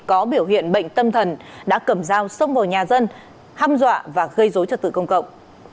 có biểu hiện bệnh tâm thần đã cầm dao xông vào nhà dân hăm dọa và gây dối trật tự công cộng